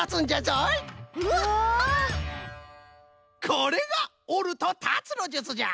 これがおるとたつのじゅつじゃ！